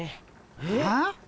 えっ？